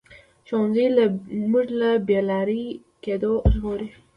ښوونځی موږ له بې لارې کېدو ژغوري